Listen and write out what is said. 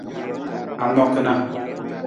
Anang kana?